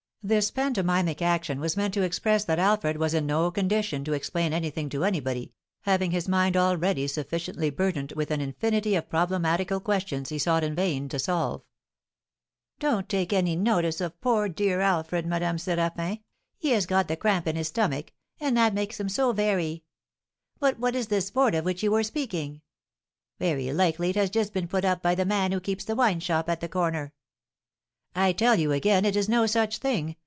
This pantomimic action was meant to express that Alfred was in no condition to explain anything to anybody, having his mind already sufficiently burdened with an infinity of problematical questions he sought in vain to solve. "Don't take any notice of poor dear Alfred, Madame Séraphin; he has got the cramp in his stomach, and that makes him so very But what is this board of which you were speaking? Very likely it has just been put up by the man who keeps the wine shop at the corner." "I tell you again it is no such thing.